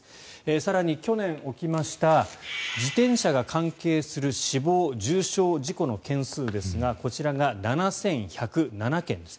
更に去年起きました自転車が関係する死亡・重傷事故の件数ですがこちらが７１０７件です。